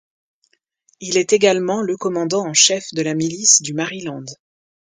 Il est également le commandant en chef de la milice du Maryland.